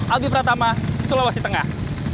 albi pratama sulawesi tengah